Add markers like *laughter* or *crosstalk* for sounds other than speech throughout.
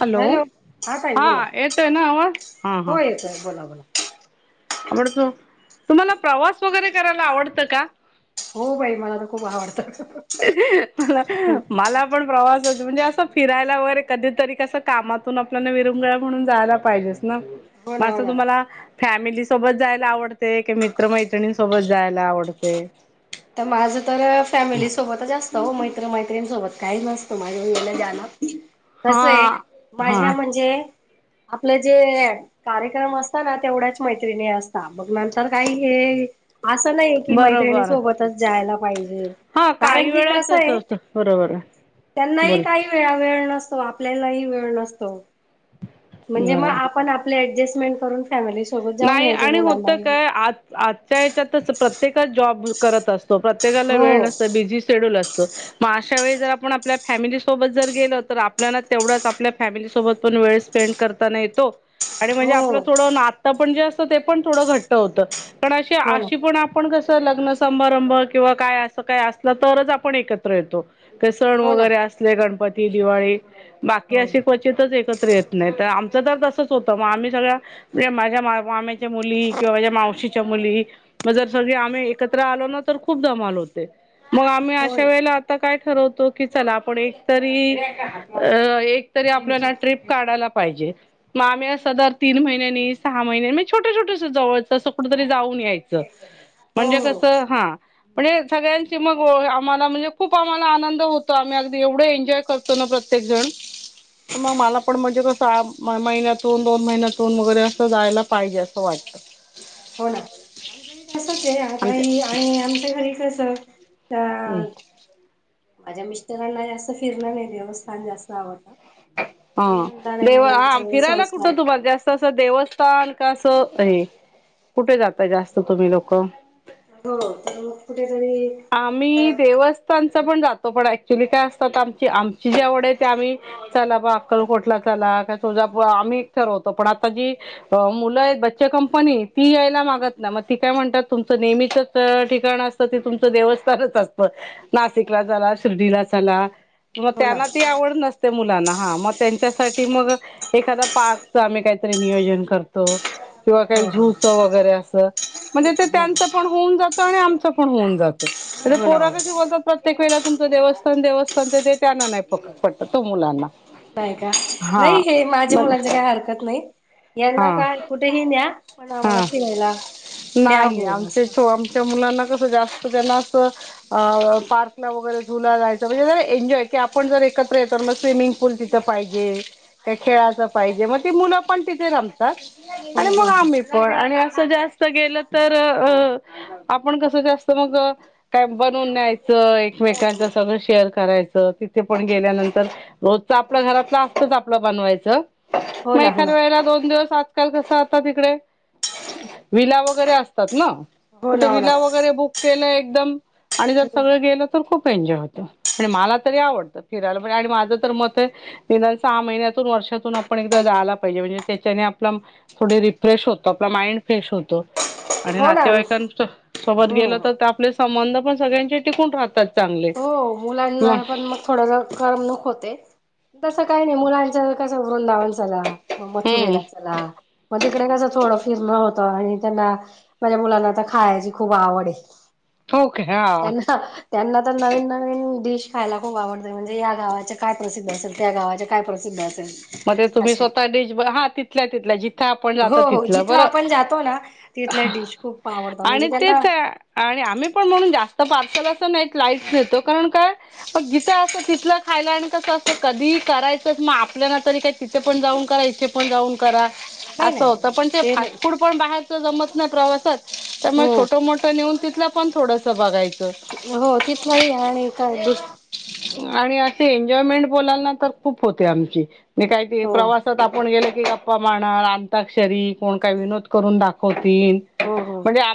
Hello हां येतोय ना आवाज? ठिक आहे बोला बोला. आवडतो तुम्हाला प्रवास वगैरे करायला आवडत का? हो बाई मला तर खूप आवडत. मला मला पण प्रवासच म्हणजे अस फिरायला वगैरे कधीतरी कस कामातून आपल्याला विरंगुळा म्हणून जायला पाहिजेच ना हो मग ना अस हो ना तुम्हाला फॅमिली सोबत जायला आवडतय की मित्रमैत्रिणींसोबत जायला आवडतय? तर माझ तर फॅमिली सोबतच जास्त हो मैत्र मैत्रिणीसोबत काही नसत माझ्या वेळेला द्याल कस आहे हा हा माझ्या म्हणजे आपल जे कार्यक्रम असतात ना तेवढ्याच मैत्रीनी असतात नंतर काही हे अस नाही की मैत्रिणी बरोबर सोबत जायला पाहिजे की हा कारण काही की वेळाच कसय असं असतं बरोबर त्यांना ही बोल काही किती वेळा वेळ नसतो, आपल्याला वेळ नसतो म्हणजे मग बरोबर आपण आपल ऍडजस्टमेंट करून फॅमिली सोबत जाऊन नाही यायचे आणि मुलांना होतं घेऊन. काय आज आजच्या याच्यात प्रत्येकच जॉब करत असतो प्रत्येकाला वेळ हो नसतो बिझी शेड्यूल असत. मग अशा वेळी जर आपण आपल्या फॅमिली सोबत जर गेलो तर आपल्याला तेवढच आपल्या फॅमिली सोबत पण वेळ स्पेंड करताना येतो. आणि म्हणजे आपल हो थोड नात पण जे असत ते पण थोड घट्ट होत कारण अशी हो ना अशी पण आप आपण कस लग्न समारंभ किंवा काय अस काय असल तरच आपण एकत्र येतो. ते सण हो ना वगैरे असले गणपती, दिवाळी बाकी हो अशी क्वचितच एकत्र येत नाही आमच तर तसच होत मग आम्ही सगळे माझ्या मुली किंवा माझ्या मावशीच्या मुली मग जर सगळे आम्ही एकत्र आलो ना तर खूप दमाला होत. हो आम्ही अशा वेळेला. आता काय ठरवतो की चला आपण एक तरी एकतरी आपल्याला ट्रिप काढायला पाहिजे मग आम्ही अस दर तीन महिन्यांनी. सहा महिन्या म्हणजे छोट छोटस जवळच अस कुठ तरी जाऊन यायच. म्हणजे हो कस हां. म्हणजे सगळ्यांची मग आम्हाला म्हणजे खूप आम्हाला आनंद होतो आम्ही अगदी एवढ एन्जॉय करतो. तो ना प्रत्येक जण. मग मला पण म्हणजे कस आज महिन्यातून दोन महिन्यातून. जायला पाहिजे अस वाटत. आमचही तसच आहे आता आमच्या आणि आमच्या घरी कस हम्म. तर. माझ्या मिस्टरांना जास्त फिरण नाही देवस्थान जास्त आवडत. हां देव हां फिरायला कुठ संस्कार तुम्हाला जास्त तस देवस्थान का अस आहे कुठे जातय जास्त तुम्ही लोक? हो मग कुठेतरी आता आम्ही देवस्थांनच पण जातो पण ऍक्च्युली काय असतात आमची आमची जी आवड आहे ते आम्ही चला बा अक्कलकोटला चला काय तुळजापूर आम्हीच ठरवतो पण आता जी मुल आहेत बच्चे कंपनी ती यायला मागत नाय मग ती काय म्हणतात तुमच नेहमीचच. ठिकाण असत तिथून. देवस्थानच असत नाशिकला चला, शिर्डीला चला मग हो ना त्यांना ती आवड नस ते मुलांना हा मग त्यांच्यासाठी मग एखादा पार्कच आम्ही काहीतरी नियोजन करतो. किंवा काही हो हो झूचं वगैरे असं म्हणजे ते हो हो त्यांचं पण होऊन जातं आणि आमचं पण होऊन जात. हो ना पोरा हो ना. कशी बोलतात. प्रत्येक वेळे तुमच देवस्थान देवस्थान ते ते त्यांना नाही फक्त पटत तो मुलांना. नाही का हा नाही माझ्या मग मुलाची काही हरकत नाही. हा यांना काय कुठेही न्या पण आम्हाला हा फिरायला. न्या नाही हो असं आमच्या आमच्या हम्म मुलांना कसं जास्त त्यांना असं. पार्कला वगैरे झुला जायचं म्हणजे जर एनजॉय की आपण जर एकत्र येत मग स्विमिंग पूल तिथ पाहिजे, खेळाच पाहिजे मग त मुलं पण तिथे रमतात आणि मग हम्म आम्ही पण आणि असं जास्त गेलं तर अ आपण कसं जास्त मग काय बनवून न्यायच. एकमेकांच सगळं शेअर करायचं तिथे पण गेल्यानंतर. रोजच आपलं घरातलं जास्तच आपलं बनवायचं हो मग ना हो ना एखाद्या वेळेला. दोन दिवस आजकाल कस आता तिकडे विला वगैरे असतात ना. हो ना ते हो ना विला वगैरे बुक केलंय एकदम आणि जर सगळं गेलं. तर खूप एन्जॉय होतं आणि मला तरी आवडतं फिरायला म्हणजे आणि माझं तर मत आहे. निदान सहा महिन्यातून वर्षातून आपण एकदा जायला पाहिजे. त्याच्याने आपला थोडी रिफ्रेश होतो आपला माइंड फ्रेश होतो. आणि हो ना नातेवाईकां सोबत गेलं हम्म तर आपले संबंध पण सगळ्यांचे टिकून राहतात. चांगले मग थोडंसं करमणूक होते तसं काही नाही मुलांच कसं वृधावनचाला. मग हम्म मथुरेला चला मग तिकडे कसं थोडं फिरणं होतं आणि त्यांना माझ्या मुलांना तर खायची खूप आवड आहे ओके हा त्यांना त्यांना आता नवीन नवीन डिश खायला खूप आवडते, म्हणजे या गावाचे काय प्रसिद्ध असेल त्या गावाचे काय प्रसिद्ध असेल. मग तुम्ही असे स्वतः *unintelligible* हा तिथल्या तिथल्या जिथ आपण जात हो हो तिथलं जिथं बर आपण जातो ना तिथल्या डिश खूप आवडतात म्हणजे आणि त्यांना तेच आणि आम्ही पण म्हणून जास्त पार्सल असं नाहीत लाईट्स नेतो कारण काय मग जिथं असं तिथलं खायला आणि कसं असतं कधी करायचंच मग आप आप तरी काही तिथे पण जाऊन करा इथे पण जाऊन करा नाही अस नाही होत नाही पण ते फास् नाही फूड पण बाहेरच जमत नाही प्रवासात त्यामुळे छोटं हम्म मोठं नेऊन तिथला पण थोडस बघायचं. हो तिथलंही आणि काय दुस आणि असे एन्जॉयमेंट बोलाल ना तर खूप होते आमची काही हो प्रवास आपण गेल की गप्पा मारा अंताक्षरी कोण काय विनोद करून दाखवतील. हो हो म्हणजे आ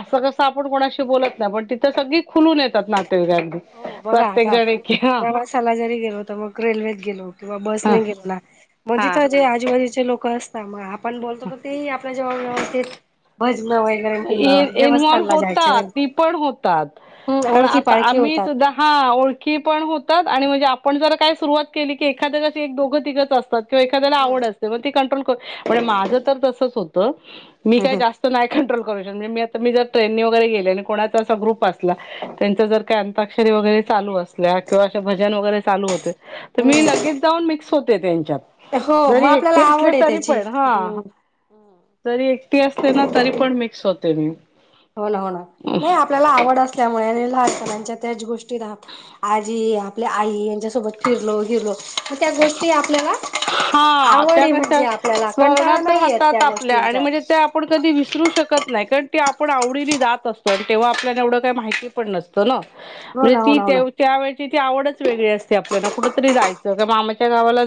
असं कसं आपण कोणाशी बोलत नाही पण तिथं सगळी खुलून येतात नातेवाकांनी. प्रत्येक जण क ह सला जरी गेलो होत मग रेल्वेत गेलो किंवा हा बसने गेला हा म्हणजे जे आजूबाजूचे लोक असतात मग आपण बोलतो तर ते ेव भजन व *inaudible* इनव्हल्व होतात ती पण होतात कारण ओळखी आता पाळखी आम्ही होतात. दहा ओळखी पण होतात. आणि म्हणजे आपण जरा काय सुरवात केली की एखाद्या कशी एक दोघ तघंच असतात कं एखाद्याला आवड हम्म असते. कंट्रोल करण माझं तर तसच होतं मी काही जास्त नाही कंट्रोल मी आताी जर ट्रेननी वैरे गेले आणि कोणाचा असा ग्रुप असला त्यांच जर काही अंताक्षरी वगैरे चालू असल्या किंवा अे भजन वगैरे चालू होते. मी हम्म लगेच जाऊन मिक्स होते त्यांच्यात हो मग जरी आपल्याला एकटे असले आवड आहे तरी त्याची पण हा हम्म जरी एकटी असले ना तरी पण मिक्स होते मी हो ना हो ना नाही आपल्याला आवड असल्यामुळे आणि लहानपणाच्या त्याच गोष्टीत आजी आपल्या आई यांच्यासोबत फिरलो गेलो तर त्या गोष्टी आपल्याला हा आवड त्या आहे कशा म्हणजे आपल्याला कंटाळा स्मरणात नाही येत राहातात त्या आपल्या आणि गोष्टींचा. म्हणजे कधी विसरू शकत नाही कारण तेी आपण आवडीनी जात असतो आणि तेव्हा आपल्याला एवढं काही माहिती पण हो म्हणजे ना हो ती ना हो ना. त्या त्या वेळची ती आवडच वेगळी असते आपल्याला कुठतरी जायचं कि मामाच्या गावाला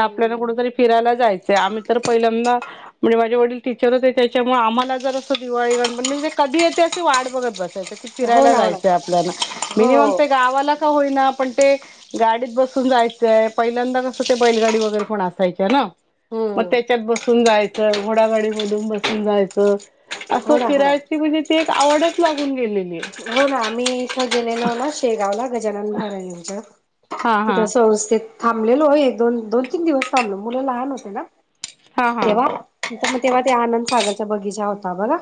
आपल्याला कुठतरी फिरायला जायचं आम्ही तर पहिल्यांदा म्हणजे माझे वडील टीचर होते त्याच्यामुळे आम्हाला जरा असं दिवाळी गडबड म्हणजे कधी येते अशी वाट बघत हो फिरायला ना हो ना जायंचं मिनिमम हो ते गावाला का होईना पण ते गाडीत बसून जायचंय पहिल्यांदा कसं ते बैलगाडी वगैरे पण असायच्या ना मग हम्म त्याच्यात बसून जायचं घोडागाडी बोलून बसून जायचं असं हो ना हो ना. फिरायची म्हणजे ती एक आवडच लागून गेलेली आहे हो ना आम्ही इथं गेलेलो हो ना शेगावला गजानन महाराज्यांचा हा तिथं हा असं व्यवस्थित थांबलेलो हो एक दोन दोन तीन दिवस थांबलो मुलं लहान होते ना हा हा तेव्हा तिथं मग तेव्हा त्या आनंद सागरच्या बगीचा होता बघा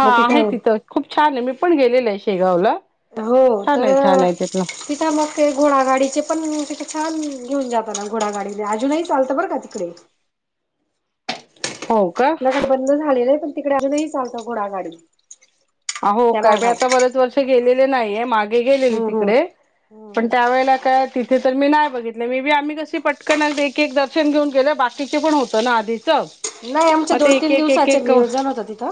हा मग तिथे आहे तिथं खूप छान आहे मी पण गेलेल आहे शेगावला हो छान तर आहे छान आहे तिथलं तिथं मग ते घोडागाडीचे पण तिथे छान घेऊन जातना घोडागाडी अजूनही चालतं बर का तिकडे हो इकडे बंद झालेलं आहे पण तिकडे आजुनही चालतो घोडागाडी आहो त्या काय मी भागात. आता बरेच वर्ष गेलेले नाहीये मागे गेलेले हम्म हम्म. तिकडे पण हम्म त्यावेेळेला काय तिथे तर मी नाही बघितलं मीबी आम्ही कशी पटकन एक एक दर्शन घेऊन गेले बाकीचे पण होत ना नाही आमच्या मग ते दोन एक तीन एक एक दिवसाचे एक नियोजन होतं तिथं.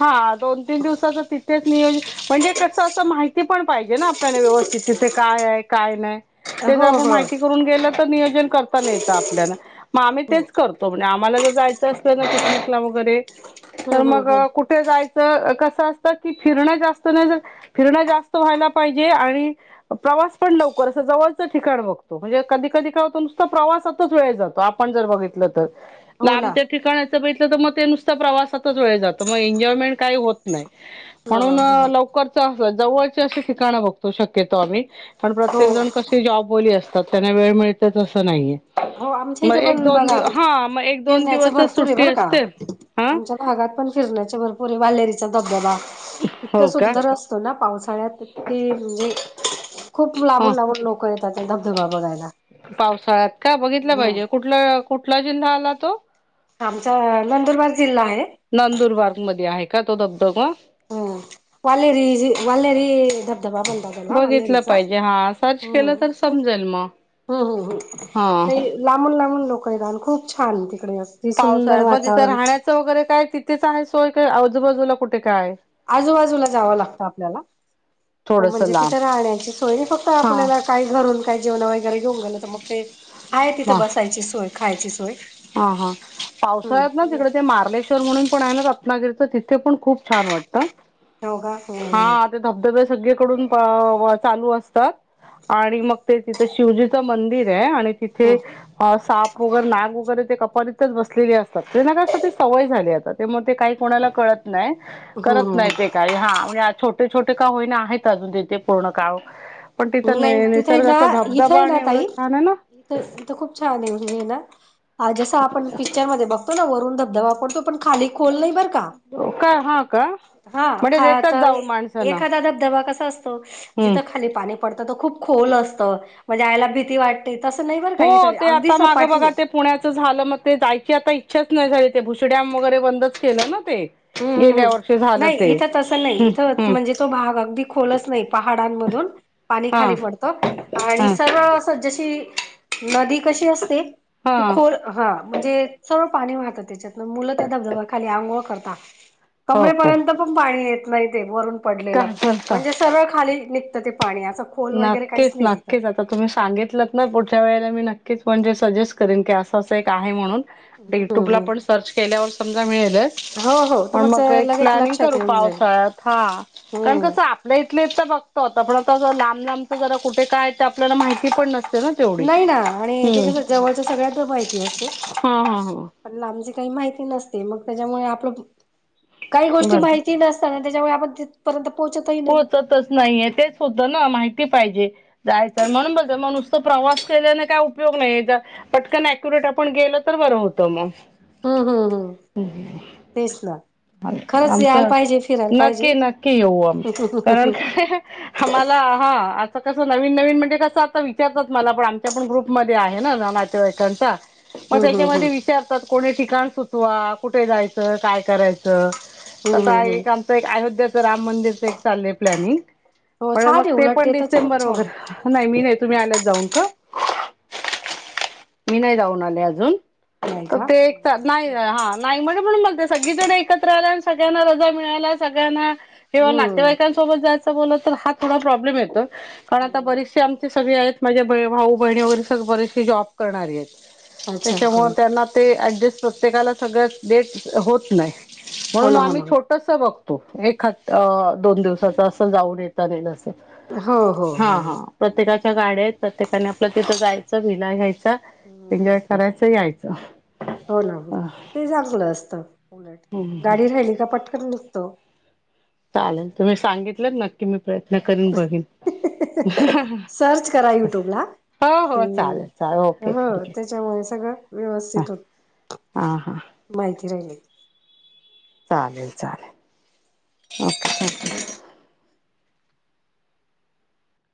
हा दोन तीन दिवसाच तिथेच नियोज म्हणजे कसं असं माहिती पण पाहिजे ना आपल्याला व्यवस्थित तिथे काय आहे काय नाही ते जर हो आपण हो हो. माहिती करून गेल तर नियोजन करताना येत आपल्याला मग आम्ही तेच हम्म आम्हाला जर जायचं असलं ना पिकनिक ला वगैरे तर हम्म मग हम्म. कुठे जायचं कसं असतं की फिरणं जास्त नाय झालं फिरणं जास्त व्हायला पाहिजे आणि प्रवास पण लवकर असं जवळचं ठिकाण बघतो म्हणजे कधी कधी काय होत नुसता प्रवासातच वेळ जातो आपण जर बघितलं तर हो ना. लांबच्या ठिकाणाचं बघितल तर मग ते नुसत प्रवासातच वेळ जातो मग एन्जॉयमेंट काही होत ह म्हणून ह लवकरच जवळची अशी ठिकाणं बघतो शक्यतो आम्ही पण हो प्रत्येक जण कशी जॉबवाली असतात त्यांना वेळ मिळतेच असं नाही हो आमच्या मग इथे एक पण दोन बघा दिवस हा मग एक दोन फिरण्याचं दिवसच भरपूर आहे सुट्टी बरं का. असते हं आमच्या भागात पण फिरण्याचे भरपूर आहे वालेरीचा धबधबा इतका हो का सुंदर असतो ना पावसाळ्यात की म्हणजे खूप ह लांबून लांबून लोक येतात धबधबा बघायला पावसाळ्यात का बघितलं हम्म पाहिजे कुठला कुठला जिल्हा आला तो आमचा नंदुरबार जिल्हा आहे नंदुरबार मध्ये आहे का तो धबधबा हो वालेरी वालेरी धबदबा म्हणतात. त्याला बघितलं वालेरीच पाहिजे हा सर्च केलं हम तर खूप समजेल मग हम हम.. हा. लांबून लांबून लोकं येतातं, खूप छान तिकडे असं पावसाळ्यात म तिथं राहण्याचं वगैरे काय तिथेचं आहे. सोय काय आजूबाजूला कुठे काय आहे? आजूबाजूला जावं लागतं आपल्याला, हो थोडस म्हणजे लांब. तिथं राहण्यांची सोय फक्त हा आपल्याला काह घरून काय जेवण वगैरे घेऊन गेले तर मग ते आहे तिथं वा बसायची सोय, खायची सोय. हा हा पावसाळ्यात ना हम्म तिकडे ते मार्लेश्वर स्वर म्हणून पण आहे ना रत्नागिरीचा तिथे पण खूप छान वाटतं. हो का हम्म हा त्यात धबधबे सगळीकडूनं चालू असतात. आणि मग ते तिथे शिवजीचं मंदिर आहे आणि तिथे हम्म साप वगैर नाग वगैरे ते कपारीतच बसले असतात तेना गं असा ती सवय झालीये आता ते मोठे काही कोणाला कळत नाही करत हम्म नाही ते काही हा म्हणजे छोट छोटे-छोटे का होईना आहेत. अजून तिथे पूर्ण काव पण हम्म तिथं नाही तिथे ना निसर्गाचा धबधबा आणि एवढा छान आहे ना तिथं खूप छान आहे ना जस आपण पिक्चर मध्ये बघतो. तो ना वरून धबधबा पडतो पण खाली खोल नाही बरं का. काय हा का हा म्हणजे देतात खायचं, जाऊन माणसांना एखादा धबधबा कसा असतो असतो हम्म जिथं खाली पाणी पडत तो खूप खोल असतं, म्हणजे यायला भीती वाटते. तसं नाही बरं का इथं, अगदीचं सपाठीये. पुण्याच झालं मग ते जायची आता इच्छाचं नाही. झाली ते भुशी डॅम वगैरे बंदच केलं ना ते. हम्म गेल्या हम् वर्षी झालं नाही ते इथं तसं नाही हम्म इथं हम्म म्हणजे तो भाग अगदी खोलचं नाही पहाडांमधून पाणी हा खाली पडत आणि हा सरळ अस अस जशी नदी कशी असते ती हा खोल ह म्हणजे सरळं पाणी वाहतं त्याच्यातनं, मुलं त्या धबधबा खाली आंघोळ करतात. हो का कमरेपर्यंत पण पाणी येत नाही ते वरून पडलेलं, काय बोलता म्हणजे सरळ खाली निघतं ते पाण्याचं नाग तेच नाग तेचं जातात. तर तुम्ही सांगितलंत ना पुढच्या वेळेला मी नक्कीचं, म्हणजे सजेस्ट करेन की असं असं एक आहे म्हणूनं. ते हम्म युट्यूबला हम् पण सर्च केल्यावर समजा मिळेलचं. हो हो आणि मग तुमचं एक लगेच प्लॅनिंग लक्षात करू येऊन जाईल पावसाळ्यात हा कारण हम्म कसं आपण इथल्या इथत बघतो आता पण आता जरा लांब लांबच जरा कुठे काय ते आपल्याला माहिती पण नसतं. नाही ना आणि ते कसं जवळच सगळ्याना माहिती असते. हा हा हा पण लांबची काही माहिती नसते, मग त्याच्यामुळे आपलं काही गोष्टी बर माहिती माहिती नसत ना त्याच्यामुळे आपण तिथपर्यंत पोहोचतही नाही. पोचत नाहीयं तेच होत ना माहिती पाहिजे जायचं म्हणून बोलतोय म नुसतं प्रवास केल्याने काय उपयोग नाहीयं, पटकन अक्युरेट आपण गेल तर बरं होतं मग. हम हम हम.. तेच ना. खरंच यायला आमचं, पाहिजे फिरायला पाहिजे. नक्की नक्की येऊ आम्ही. कारण काय आम्हाला हा आ आता कसं नवीन नवीन म्हणजे कसं आता विचारतात मला पण आमच्या पण ग्रुप मध्ये आहे ना ग नातेवाईकांचा मग हम्म त्याच्यामध्ये विचारतात कोणी ठिकाण सुचवा कुठे जायचं काय करायचं. आता एक आमच एक अयोध्याचं राम मंदिरचं एक चाललंय प्लॅनिंग. हो पण छान मग आहे ते उलट पण तरच खूप डिसेंबर छान आहे वगैरे नाही, मी नाही तुम्ही आल्यात जाऊन का? मी नाही जाऊन आले अजून. नाही का? ते एकतात नाही हा नाही म्हणून म्हणून म्हणतेय सगळी जण एकत्र आला अन सगळ्यांना रजा मिळाला सगळ्यांना किंवा हम्म. नातेवाईकांसोबत जायचं बोल तर हा थोडा प्रॉब्लेम येतो. कारण आता बरिशी आमची सगळे आहेत माझे भाऊ बहिणी वगैरे सगळे बरिशी जॉब करणारी आहेत. अच्छा हो त्याच्यामुळे त्यांना ते ऍडजस्ट प्रत्येकाला सगळ डेट होत नाही हो म्हणून ना हो आम्ही ना छोटस बघतो एखाद दोन दिवसाच असं जाऊन येतो. झालेल असेल हो हो हा हा हो. प्रत्येकाच्या गाड्यात प्रत्येकाने आपलं तिथं जायचं वीणा घ्यायचं एन्जॉय करायचं यायचं हो ना ते झाकल असत गाडी राहिली का पटकन पटकन हुत *inaudible* चालल तुम्ही सांगितलं नक्की मी प्रयत्न करीन बघीन सर्च करा युट्यूबला हो हो हम चालेल चालेल ओके ह थँक्यू त्याच्यामुळे सगळं व्यवस्थित होत हा हा माहिती राहिली चालेल चालेल ओके थँक्यू